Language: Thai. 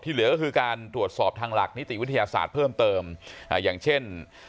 เหลือก็คือการตรวจสอบทางหลักนิติวิทยาศาสตร์เพิ่มเติมอ่าอย่างเช่น